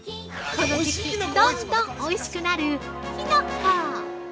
この時期、どんどんおいしくなるきのこ。